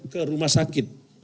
ke rumah sakit